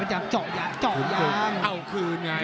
จอกยางจอกยางเอ้าคืนไง